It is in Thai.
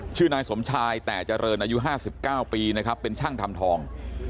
ชื่อนายสมชายแต่เจริญอายุ๕๙ปีนะครับเป็นช่างทำทอง